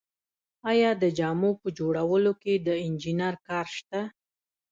آیا د جامو په جوړولو کې د انجینر کار شته